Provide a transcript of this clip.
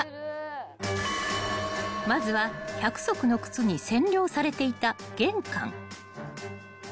［まずは１００足の靴に占領されていた玄関］